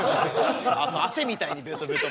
汗みたいにベトベト。